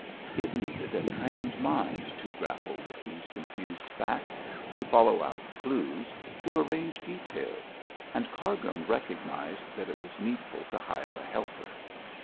It needed a trained mind to grapple with these confused facts, to follow out clues, to arrange details, and Cargrim recognised that it was needful to hire a helper.